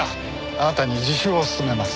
あなたに自首を勧めます。